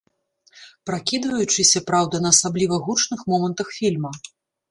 Пракідваючыся, праўда, на асабліва гучных момантах фільма.